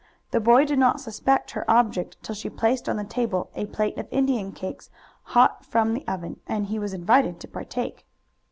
The boy did not suspect her object till she placed on the table a plate of Indian cakes hot from the oven and he was invited to partake.